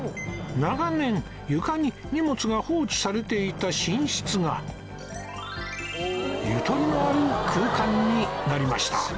長年床に荷物が放置されていた寝室がゆとりのある空間になりました